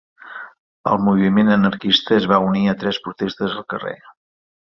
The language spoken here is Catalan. El moviment anarquista es va unir a les protestes al carrer.